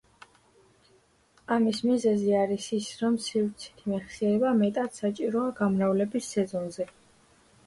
ამის მიზეზი არის ის, რომ სივრცითი მეხსიერება მეტად საჭიროა გამრავლების სეზონზე.